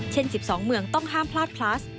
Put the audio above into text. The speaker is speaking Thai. ๑๒เมืองต้องห้ามพลาดพลัส